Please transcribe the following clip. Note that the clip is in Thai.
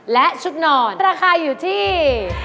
และชุดนอนราคาอยู่ที่